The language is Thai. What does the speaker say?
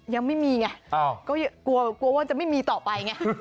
ยังไม่มีไงก็กลัวกลัวว่าจะไม่มีต่อไปไง